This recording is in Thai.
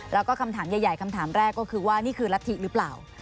แล้วก็คำถามใหญ่คำถามแรกก็คือว่านี่คือรัฐธิหรือเปล่า